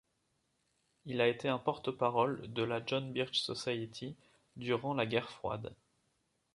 Il a été un porte-parole de la John Birch Society durant la Guerre Froide.